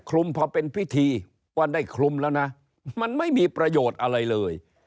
คลุมพอเป็นพิธีว่าได้คลุมแล้วนะมันไม่มีประโยชน์อะไรเลย